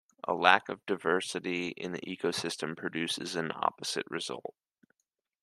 A lack of diversity in the ecosystem produces an opposite result.